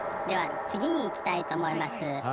では次にいきたいと思います。